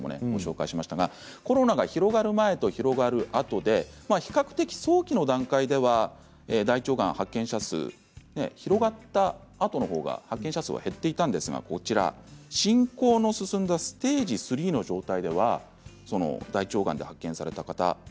コロナが広がる前と広がるあとで比較的早期の段階では大腸が広がったあとのほうが発見者数は広がっていたんですが進行が進んだステージ３の状態で大腸がんが発見された方